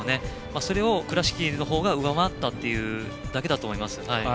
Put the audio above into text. それを倉敷の方が上回ったということだけだと思います。